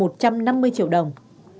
một trăm năm mươi triệu đồng